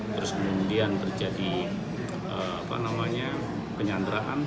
terus kemudian terjadi penyanderaan